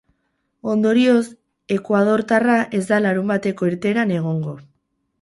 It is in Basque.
Ondorioz, ekuadortarra ez da larunbateko irteeran egongo.